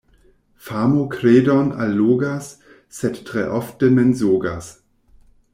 Famo kredon allogas, sed tre ofte mensogas.